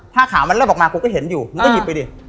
ผ้าขาวมันเริ่มออกมากูก็เห็นอยู่มึงก็หยิบไปดิ